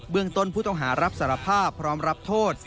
เมืองต้นผู้ต้องหารับสารภาพพร้อมรับโทษ